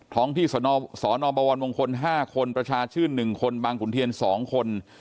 ท้องที่สนบวรมงคล๕คนประชาชื่น๑คนบางขุนเทียน๒คน